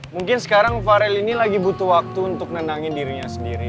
mungkin sekarang farel ini lagi butuh waktu untuk nenangin dirinya sendiri